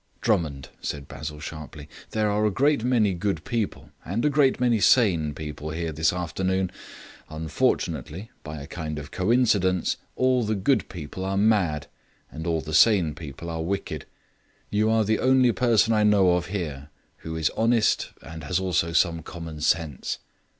"Drummond," said Basil sharply, "there are a great many good people, and a great many sane people here this afternoon. Unfortunately, by a kind of coincidence, all the good people are mad, and all the sane people are wicked. You are the only person I know of here who is honest and has also some common sense.